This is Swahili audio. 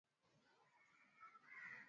miili ya watoto haijajenga kinga ya kutosha